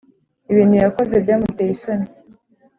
ibintu yakoze byamuteye isoni